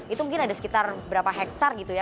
itu mungkin ada sekitar berapa hektare gitu ya